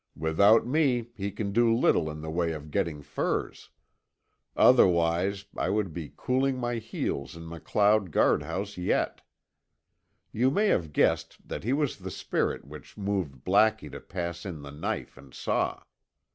Without me, he can do little in the way of getting furs. Otherwise, I would be cooling my heels in MacLeod guardhouse yet. You may have guessed that he was the spirit which moved Blackie to pass in the knife and saw.